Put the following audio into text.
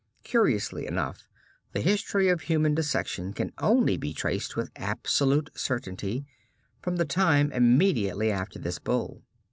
Curiously enough the history of human dissection can only be traced with absolute certainty from the time immediately after this Bull.